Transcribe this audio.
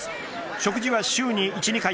食事は週に１２回。